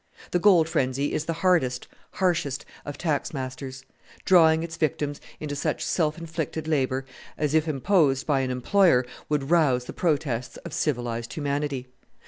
The gold frenzy is the hardest, harshest, of tax masters, drawing its victims into such self inflicted labour as, if imposed by an employer, would rouse the protests of civilized humanity.